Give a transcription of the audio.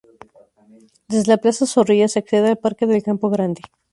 Desde la plaza Zorrilla se accede al Parque del Campo Grande.